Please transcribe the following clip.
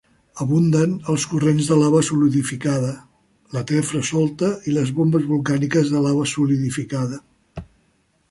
Abunden els corrents de lava solidificada, la tefra solta i les bombes volcàniques de lava solidificada.